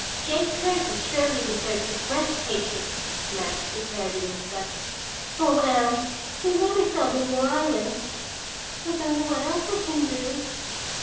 "Jake Curtis surely deserves his reputation!" Madge declared in disgust. "Oh, Anne, don't ever sell him your island!" "I don't know what else I can do."